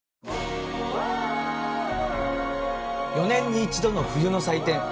４年に一度の冬の祭典